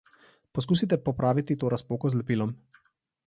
Poskusite popraviti to razpoko z lepilom.